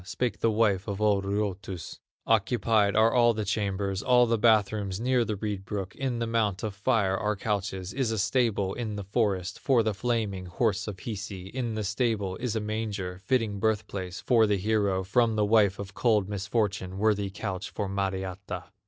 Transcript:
Spake the wife of old Ruotus: 'Occupied are all the chambers, All the bath rooms near the reed brook; In the mount of fire are couches, Is a stable in the forest, For the flaming horse of Hisi; In the stable is a manger, Fitting birth place for the hero From the wife of cold misfortune, Worthy couch for Mariatta.